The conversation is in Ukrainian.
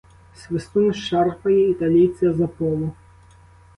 Свистун шарпає італійця за полу.